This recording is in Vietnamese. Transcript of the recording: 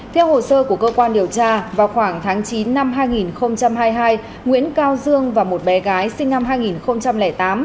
theo hồ sơ của cơ quan điều tra vào khoảng tháng chín năm hai nghìn hai mươi hai nguyễn cao dương và một bé gái sinh năm hai nghìn tám